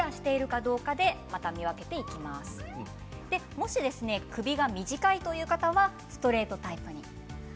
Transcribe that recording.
もし首が短いという方はストレートタイプです。